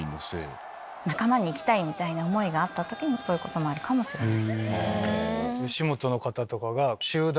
みたいな思いがあった時にそういうこともあるかもしれない。